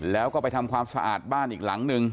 แล้วก็ไปทำความสะอาดบ้านอีกหลังนึง